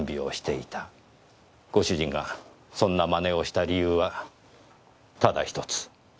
ご主人がそんな真似をした理由はただ１つ。